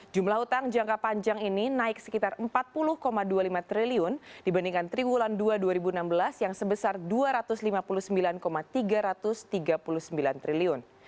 jumlah utang jangka panjang ini naik sekitar rp empat puluh dua puluh lima triliun dibandingkan triwulan dua dua ribu enam belas yang sebesar rp dua ratus lima puluh sembilan tiga ratus tiga puluh sembilan triliun